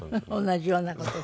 同じような事で。